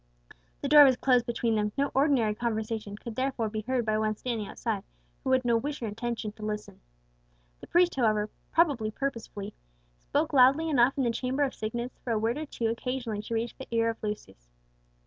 The door was closed between them; no ordinary conversation could therefore be heard by one standing outside, who had no wish or intention to listen. The priest, however, probably purposely, spoke loudly enough in the chamber of sickness for a word or two occasionally to reach the ear of Lucius.